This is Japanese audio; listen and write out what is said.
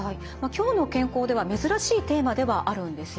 「きょうの健康」では珍しいテーマではあるんですよね。